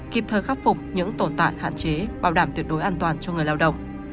kịp thời khắc phục những tồn tại hạn chế bảo đảm tuyệt đối an toàn cho người lao động